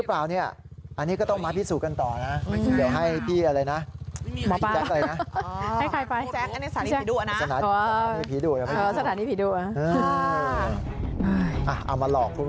แล้วพอมาพูดคุยกันอ้าวภิกษาผิดพลาด